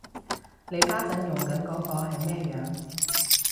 你家陣用緊嗰個係咩樣